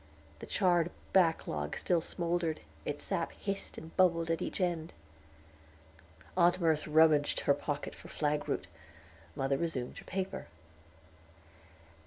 The charred backlog still smoldered, its sap hissed and bubbled at each end. Aunt Merce rummaged her pocket for flagroot; mother resumed her paper.